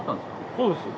そうです。